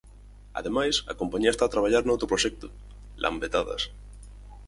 Ademais, a compañía está a traballar noutro proxecto: Lambetadas.